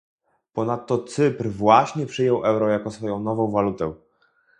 Ponadto Cypr właśnie przyjął euro jako swoją nową walutę